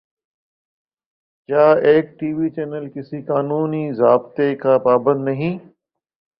کیا ایک T V channel کسی قانون ضابطے کا پابند نہیں؟